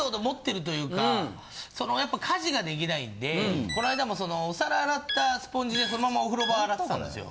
やっぱ家事ができないんでこないだもお皿洗ったスポンジでそのままお風呂場洗ってたんですよ。